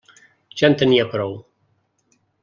Ja en tenia prou.